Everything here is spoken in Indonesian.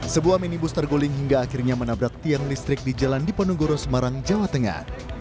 sebuah minibus terguling hingga akhirnya menabrak tiang listrik di jalan diponegoro semarang jawa tengah